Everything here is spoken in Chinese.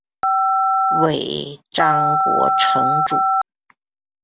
尾张国城主。